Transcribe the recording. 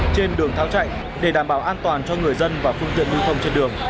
trên đường tháo chạy để đảm bảo an toàn cho người dân và phương tiện lưu thông trên đường